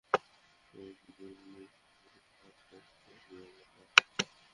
বিল বেশি আসায় শফিকুল মিটার পরিবর্তন করতে দুই হাজার টাকা চান।